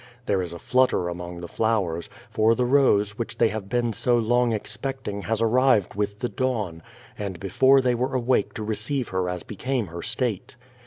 There is a flutter among the flowers, for the rose which they have been so long expecting has arrived with the dawn, and before they were awake to receive her as became her state.